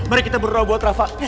mari kita berdoa buat rafa